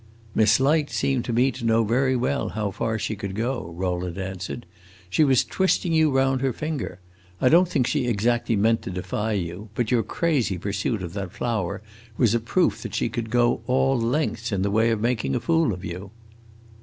"Miss Light seemed to me to know very well how far she could go," Rowland answered. "She was twisting you round her finger. I don't think she exactly meant to defy you; but your crazy pursuit of that flower was a proof that she could go all lengths in the way of making a fool of you."